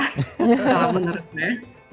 kalau menurut saya